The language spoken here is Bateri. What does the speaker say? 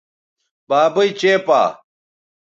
بابئ چےپا